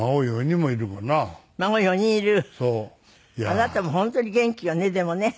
あなたも本当に元気よねでもね。